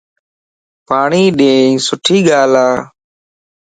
پاڻين ڏين سٽي ڳال ا